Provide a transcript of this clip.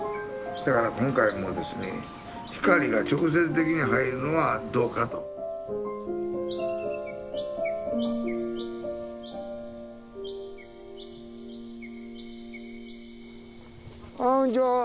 だから今回もですね光が直接的に入るのはどうかと。こんにちは。